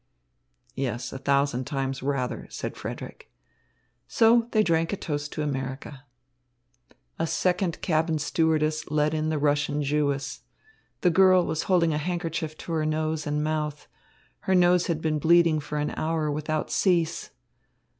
"Yes, a thousand times rather," said Frederick. So they drank a toast to America. A second cabin stewardess led in the Russian Jewess. The girl was holding a handkerchief to her nose and mouth. Her nose had been bleeding for an hour without cease.